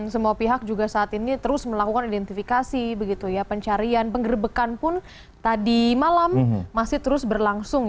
semua pihak juga saat ini terus melakukan identifikasi begitu ya pencarian penggerbekan pun tadi malam masih terus berlangsung